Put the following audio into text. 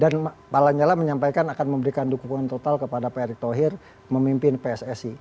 dan pala nyala menyampaikan akan memberikan dukungan total kepada pak erick thohir memimpin pssi